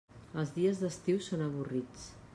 Els dies d'estiu són avorrits.